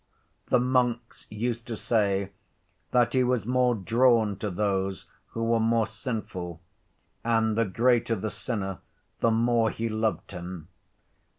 The monks used to say that he was more drawn to those who were more sinful, and the greater the sinner the more he loved him.